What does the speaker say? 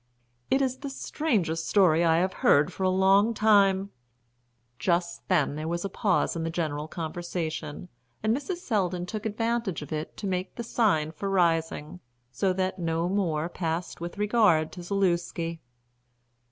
"It is the strangest story I have heard for a long time." Just then there was a pause in the general conversation, and Mrs. Selldon took advantage of it to make the sign for rising, so that no more passed with regard to Zaluski.